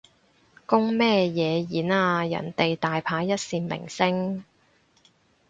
公乜嘢演啊，人哋大牌一線明星